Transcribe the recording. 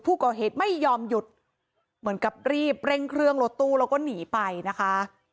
ผู้ก่อเหตุไม่ยอมหยุดเหมือนกับรีบเร่งเครื่องรถตู้แล้วก็หนีไปนะคะ